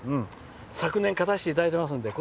昨年、勝たせていただいていますので。